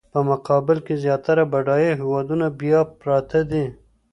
په مقابل کې زیاتره بډایه هېوادونه بیا پراته دي.